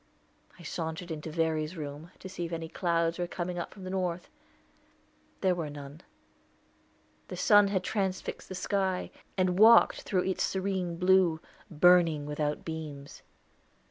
I sauntered into Verry's room, to see if any clouds were coming up from the north. There were none. The sun had transfixed the sky, and walked through its serene blue, "burning without beams."